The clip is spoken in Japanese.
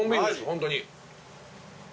ホントに。